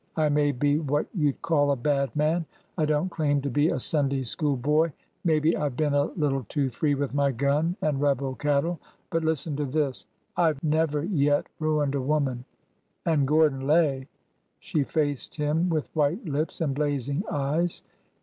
I may be what you'd call a bad man — I don't claim to be a Sunday school boy, — maybe I Ve been a lit tle too free with my gun and rebel cattle, but — listen to this — I've never yet ruined a woman! and Gordon Lay —" She faced him with white lips and blazing eyes.